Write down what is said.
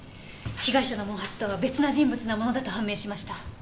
被害者の毛髪とは別な人物のものだと判明しました。